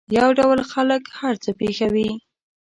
یو ډول خلک هر څه پېښوي.